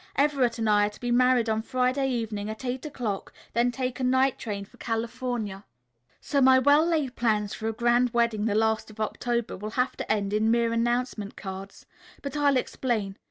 Everett and I are to be married on Friday evening at eight o'clock, then take a night train for California. So my well laid plans for a grand wedding the last of October will have to end in mere announcement cards. But I'll explain.